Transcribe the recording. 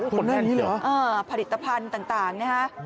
คนแบบนี้เหรออือผลิตภัณฑ์ต่างนะคะ